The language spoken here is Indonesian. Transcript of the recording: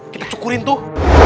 kita cukurin tuh